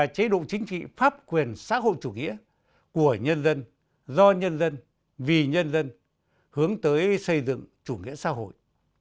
chế độ chính trị pháp quyền xã hội chủ nghĩa của nhân dân do nhân dân vì nhân dân hướng tới xây dựng chủ nghĩa xã hội